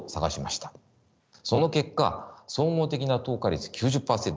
その結果総合的な透過率９０％